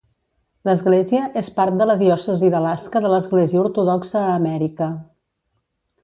L'església és part de la diòcesi d'Alaska de l'Església Ortodoxa a Amèrica.